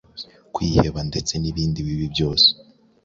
kwiheba ndetse n’ ibindi bibi byose.